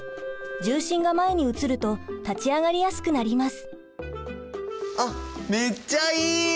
重心が前に移ると立ち上がりやすくなります。